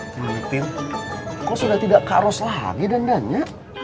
tintin kok sudah tidak kak ros lagi dandannya